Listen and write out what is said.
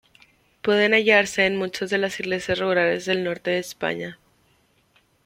Pueden hallarse en muchas de las iglesias rurales del norte de España.